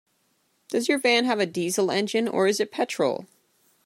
Does your van have a diesel engine, or is it petrol?